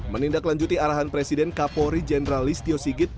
menindaklanjuti arahan presiden kapolri jenderal listio sigit